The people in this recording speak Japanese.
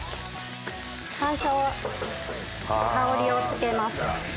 山椒を香りをつけます。